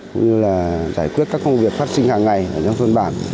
cũng như là giải quyết các công việc phát sinh hàng ngày ở trong thôn bản